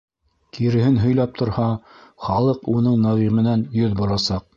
Киреһен һөйләп торһа, халыҡ уның Нәғименән йөҙ борасаҡ.